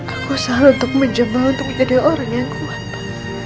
aku salah untuk mencoba untuk menjadi orang yang kuat